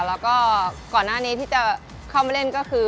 แล้วก็ก่อนหน้านี้ที่จะเข้ามาเล่นก็คือ